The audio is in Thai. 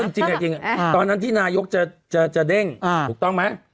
อันนี้เรื่องจริงตอนนั้นที่นายกจะเด้งถูกต้องไหม